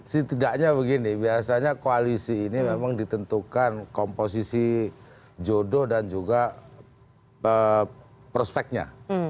setidaknya begini biasanya koalisi ini memang ditentukan komposisi jodoh dan juga prospeknya